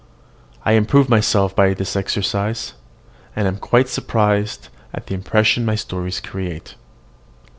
I improve myself by this exercise, and am quite surprised at the impression my stories create.